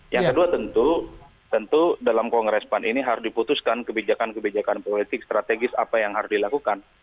yang kedua tentu tentu dalam kongres pan ini harus diputuskan kebijakan kebijakan politik strategis apa yang harus dilakukan